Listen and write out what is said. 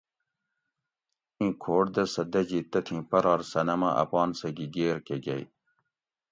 ایں کھوٹ دہ سہ دجی تتھیں پرار صنم ھہ اپان سہ گی گیر کہ گۤئ